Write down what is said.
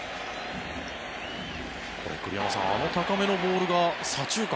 これ、栗山さんあの高めのボールが左中間